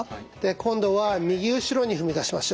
今度は右後ろに踏み出しましょう。